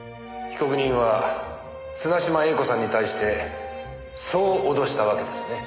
被告人は綱嶋瑛子さんに対してそう脅したわけですね？